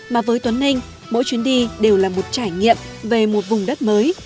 mà với tuấn ninh mỗi chuyến đi đều là một trải nghiệm về một vùng đất mới